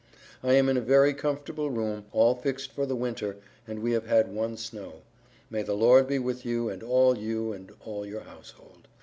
I am in a very comfortable room all fixed for the winter and we have had one snow. May the lord be with you and all you and all your household.